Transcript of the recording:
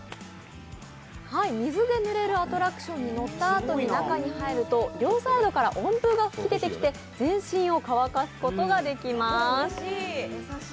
水でぬれるアトラクションに乗ったあとに中に入ると、両サイドから温風が吹き出てきて全身を乾かすことができます。